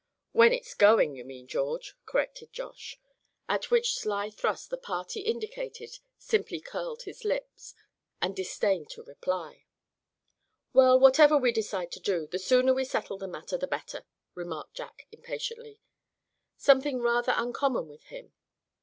"When it's going, you mean, George," corrected Josh; at which sly thrust the party indicated simply curled his lip, and disdained to reply. "Well, whatever we decide to do, the sooner we settle the matter the better," remarked Jack, impatiently, something rather uncommon with him.